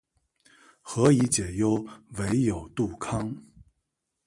何以解忧，唯有杜康